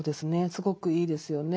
すごくいいですよね。